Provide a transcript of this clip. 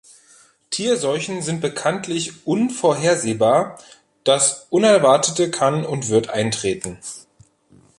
Tierseuchen sind bekanntlich unvorhersehbar das Unerwartete kann und wird eintreten.